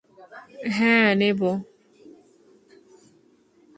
হ্যাঁ, নেবো।